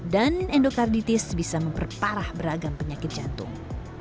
dan endokarditis bisa memperparah beragam penyakit jantung